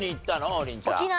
王林ちゃん。